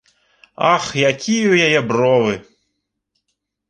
Ах, якія ў яе бровы!